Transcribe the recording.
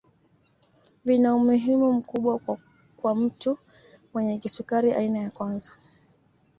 Vina umuhimu mkubwa kwa mtu mwenye kisukari aina ya kwanza